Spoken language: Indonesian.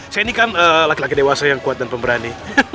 saya ini kan laki laki dewasa yang kuat dan pemberani